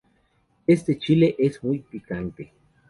Este chile es muy picante.